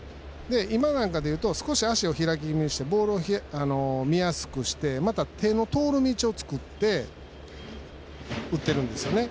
今のなんかでいうと少し足を開き気味にしてボールを見やすくしてまた手の通る道を作って、打ってるんですよね。